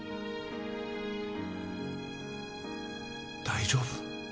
大丈夫？